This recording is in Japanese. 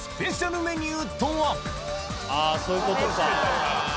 あそういうことか。